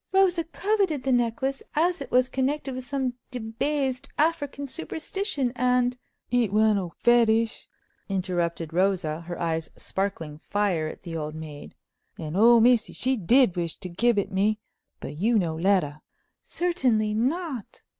"Rosa coveted the necklace, as it was connected with some debased African superstition, and—" "It one ole fetish!" interrupted Rosa, her eyes sparkling fire at the old maid, "and ole missy she did wish to gib it me, but you no let her." "Certainly not!"